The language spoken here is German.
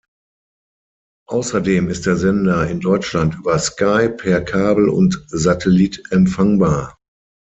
Außerdem ist der Sender in Deutschland über Sky per Kabel und Satellit empfangbar.